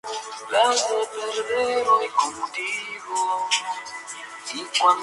Remedy alabó a "Lost" por su ritmo como un programa de televisión de suspenso.